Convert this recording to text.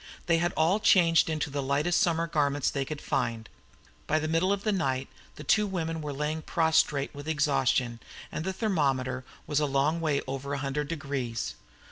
They had all changed into the lightest summer garments they could find, by the middle of the night the two women were lying prostrate with exhaustion, and the thermometer was a long way over one hundred degrees.